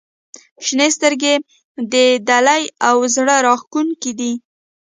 • شنې سترګې د دلې او زړه راښکونکې دي.